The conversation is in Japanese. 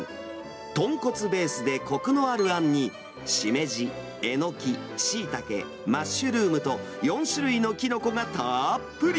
豚骨ベースでこくのあるあんに、シメジ、エノキ、シイタケ、マッシュルームと、４種類のキノコがたっぷり。